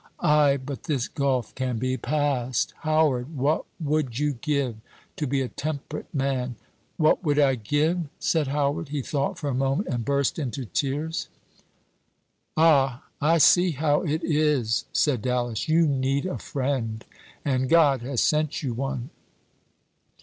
"Ay, but this gulf can be passed: Howard, what would you give to be a temperate man?" "What would I give?" said Howard. He thought for a moment, and burst into tears. "Ah, I see how it is," said Dallas; "you need a friend, and God has sent you one."